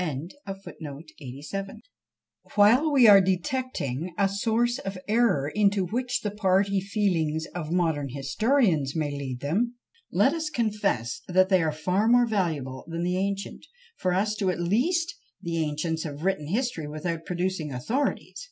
While we are detecting a source of error into which the party feelings of modern historians may lead them, let us confess that they are far more valuable than the ancient; for to us at least the ancients have written history without producing authorities!